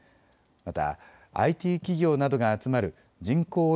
またＩＴ企業などが集まる人口